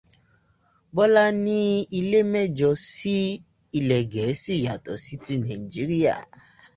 Bọ́lá ní ilé mẹ́jọ sí ilẹ̀ Gẹ̀ẹ́sì yàtọ̀ sí ti Nàíjíríà.